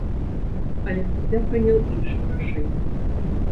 Але суддзя прыняў іншае рашэнне.